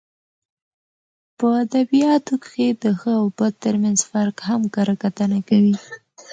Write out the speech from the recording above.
په اد بیاتو کښي د ښه او بد ترمنځ فرق هم کره کتنه کوي.